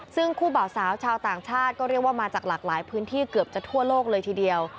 ซึ่งคู่บ่าวสาวชาวต่างชาติก็เรียกว่ามาจากหลากหลายพื้นที่เกือบจะทั่วโลกเลยทีเดียว